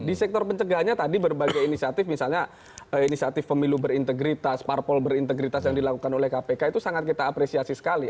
di sektor pencegahannya tadi berbagai inisiatif misalnya inisiatif pemilu berintegritas parpol berintegritas yang dilakukan oleh kpk itu sangat kita apresiasi sekali